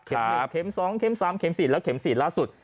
๑เข็ม๒เข็ม๓เม็ม๔และเข็ม๔ล่าสุด